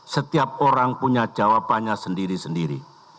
setiap orang punya jawabannya sendiri sendiri